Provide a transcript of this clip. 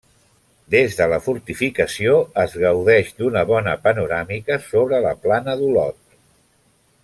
Des de la fortificació es gaudeix d'una bona panoràmica sobre la plana d'Olot.